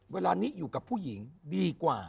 เวลานี้อยู่กับผู้หญิงดีกว่า